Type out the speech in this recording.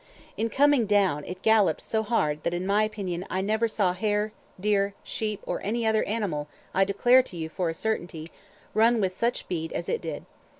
In coming down, it galloped so hard, that, in my opinion, I never saw hare, deer, sheep, or any other animal, I declare to you for a certainty, run with such speed as it did.